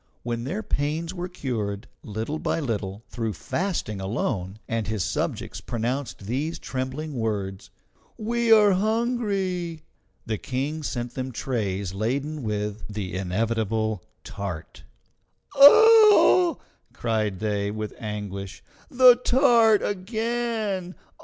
When their pains were cured, little by little, through fasting alone, and his subjects pronounced these trembling words, "We are hungry!" the King sent them trays laden with the inevitable tart. "Ah!" cried they, with anguish, "the tart again!